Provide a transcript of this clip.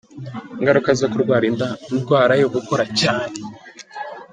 Ingaruka zo kurwara indwara yo gukora cyane.